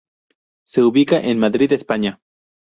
Se ubica en Madrid, España.